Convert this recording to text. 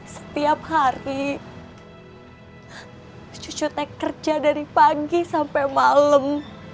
setiap hari cucu tek kerja dari pagi sampai malam